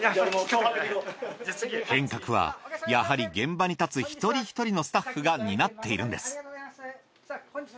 変革はやはり現場に立つ一人一人のスタッフが担っているんです。